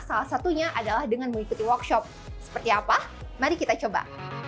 salah satunya adalah dengan mengikuti workshop seperti apa mari kita coba